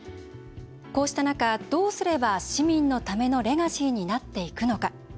こうした中どうすれば市民のためのレガシーになっていくのか。